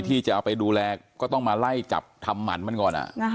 ที่จะเอาไปดูแลก็ต้องมาไล่จับทำหมันมันก่อน